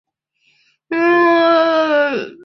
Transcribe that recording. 康定耳蕨为鳞毛蕨科耳蕨属下的一个种。